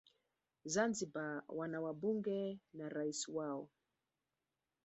zanzibar wana wabunge na rais wao